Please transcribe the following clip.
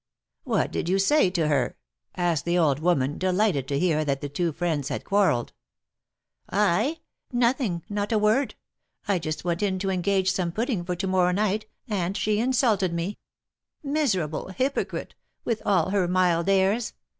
" What did you say to her?" asked the old woman, de lighted to hear that the two friends had quarrelled. '' I ? Nothing — not a word. I just went in to engage some pudding for to morrow night, and she insulted me — miserable hypocrite, with all her mild airs!